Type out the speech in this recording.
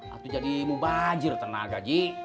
aduh jadi mau bajir tenaga ji